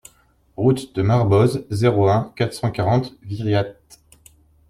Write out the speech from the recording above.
Route de Marboz, zéro un, quatre cent quarante Viriat